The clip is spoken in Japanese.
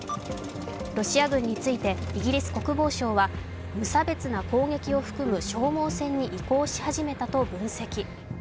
ロシア軍について、イギリス国防省は無差別な攻撃を含む消耗戦に移行し始めたと分析。